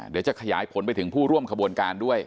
เดี๋ยวจะขยายผลไปถึงผู้ร่วมขบวนการด้วย